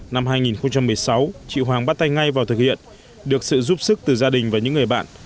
năm hai nghìn một mươi sáu chị hoàng bắt tay ngay vào thực hiện được sự giúp sức từ gia đình và những người bạn